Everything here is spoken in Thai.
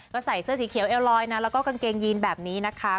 ก็ใส่เสื้อสีเขียวเอลลอยนะแล้วก็กางเกงยีนแบบนี้นะคะ